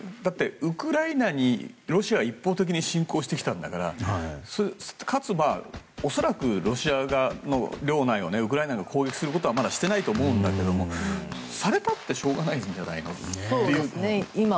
ウクライナにロシアが一方的に侵攻してきたんだから恐らくロシア側の領内をウクライナが攻撃することはまだしてないと思うんだけどされたってしょうがないんじゃないの。